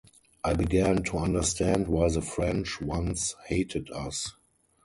I began to understand why the French once hated us.